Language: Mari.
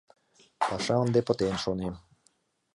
Паша ынде пытен, шонем.